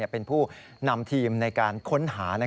เป็นผู้นำทีมในการค้นหา